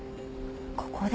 ここで。